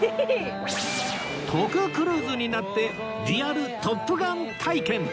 徳クルーズになってリアル『トップガン』体験！